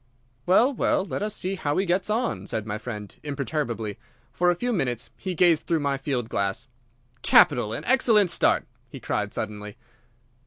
"Well, well, let us see how he gets on," said my friend, imperturbably. For a few minutes he gazed through my field glass. "Capital! An excellent start!" he cried suddenly.